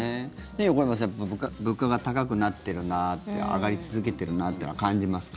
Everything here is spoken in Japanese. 横山さん物価が高くなってるなって上がり続けてるなっていうのは感じますか？